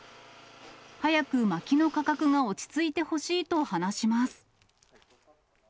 早くまきの価格が落ち着いてほしいと話します。